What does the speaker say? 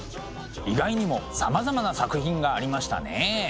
意外にもさまざまな作品がありましたね。